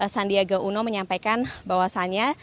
sandiaga uno menyampaikan bahwasannya